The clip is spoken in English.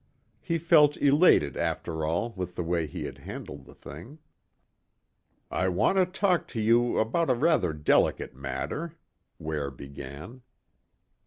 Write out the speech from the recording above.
He felt elated after all with the way he had handled the thing. "I want to talk to you about a rather delicate matter," Ware began.